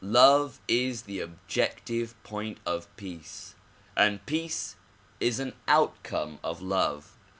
Love is the objective point of peace and peace is an outcome of love.